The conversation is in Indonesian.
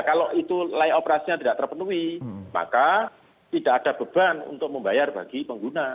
kalau itu layak operasinya tidak terpenuhi maka tidak ada beban untuk membayar bagi pengguna